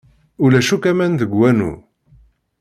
Ulac akk aman deg wanu.